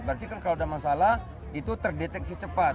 berarti kan kalau ada masalah itu terdeteksi cepat